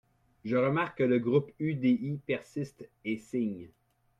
Je remarque que le groupe UDI persiste, Et signe